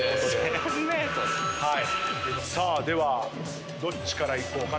さあではどっちからいこうかと。